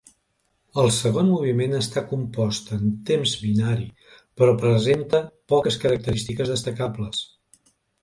El segon moviment està compost en temps binari, però presenta poques característiques destacables.